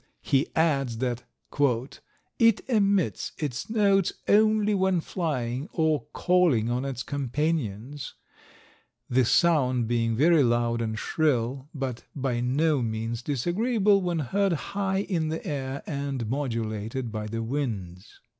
He adds that "it emits its notes only when flying or calling on its companions—the sound being very loud and shrill, but by no means disagreeable when heard high in the air and modulated by the winds."